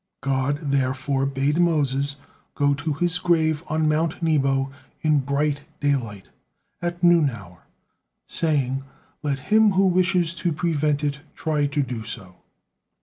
God therefore bade Moses go to his grave on mount Nebo in bright daylight, at noon hour, saying, "Let him who wishes to prevent it try to do so."